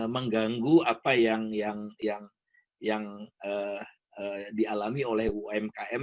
mengganggu apa yang dialami oleh umkm